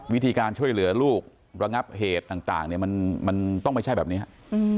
วิธีการช่วยเหลือลูกระงับเหตุต่างมันต้องไปใช้แบบนี้ครับ